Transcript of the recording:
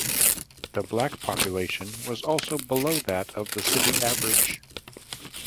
The black population was also below that of the city average.